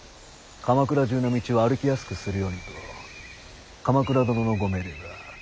鎌倉中の道を歩きやすくするようにと鎌倉殿のご命令だ。